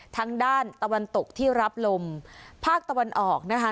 ทางด้านตะวันตกที่รับลมภาคตะวันออกนะคะ